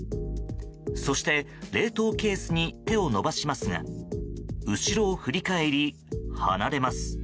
そして冷凍ケースに手を伸ばしますが後ろを振り返り、離れます。